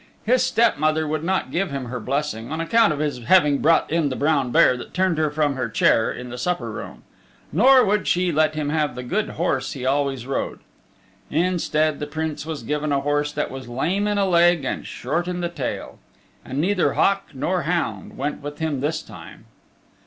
His step mother would not give him her blessing on account of his having brought in the brown bear that turned her from her chair in the supper room. Nor would she let him have the good horse he always rode. Instead the Prince was given a horse that was lame in a leg and short in the tail. And neither hawk nor hound went with him this time.